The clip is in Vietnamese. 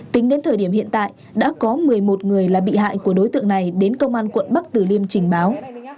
tính đến thời điểm hiện tại đã có một mươi một người là bị hại của đối tượng này đến công an quận bắc tử liêm trình báo